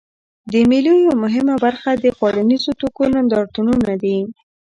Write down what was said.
د مېلو یوه مهمه برخه د خوړنیزو توکو نندارتونونه دي.